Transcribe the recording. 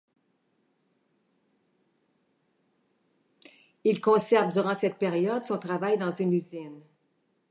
Il conserve durant cette période son travail dans une usine.